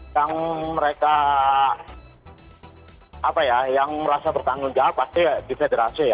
yang mereka apa ya yang merasa bertanggung jawab pasti di federasi ya